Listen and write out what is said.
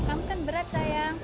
kamu kan berat sayang